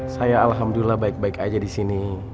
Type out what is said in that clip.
saya alhamdulillah baik baik aja disini